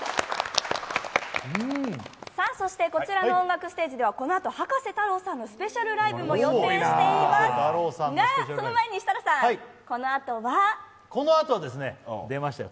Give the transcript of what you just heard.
そしてこちらの音楽ステージでは、このあと葉加瀬太郎さんのスペシャルライブも予定していますが、その前に設楽さん、このあとはこのあとは、出ましたよ